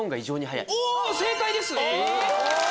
正解です！